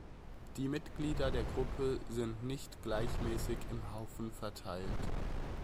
Die Mitglieder der Gruppe sind nicht gleichmäßig im Haufen verteilt.